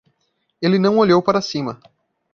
Ele não olhou para cima.